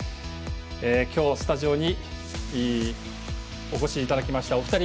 今日スタジオにお越しいただきましたお二人。